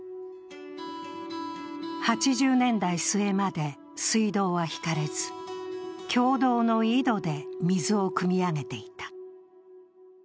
８０年代末まで水道は引かれず共同の井戸で水をくみ上げていた。